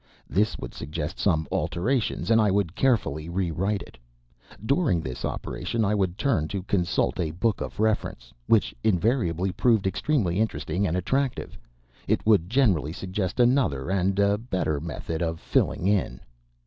This would suggest some alterations, and I would carefully rewrite it. During this operation I would turn to consult a book of reference, which invariably proved extremely interesting and attractive. It would generally suggest another and better method of "filling in."